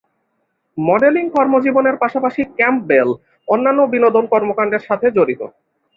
Modelling কর্মজীবনের পাশাপাশি Campbell অন্যান্য বিনোদন কর্মকাণ্ডের সাথে জড়িত।